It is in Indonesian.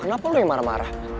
kenapa lu yang marah marah